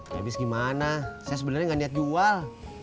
habis gimana saya sebenarnya nggak niat jual